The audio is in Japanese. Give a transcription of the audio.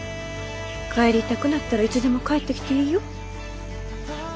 帰りたくなったらいつでも帰ってきていいよ。